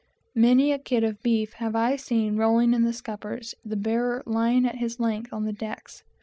Many a kid of beef have I seen rolling in the scuppers, and the bearer lying at his length on the decks.